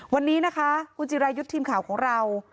วันนี้นะคะคุณจิรายุทธ์ทีมข่าวของเรา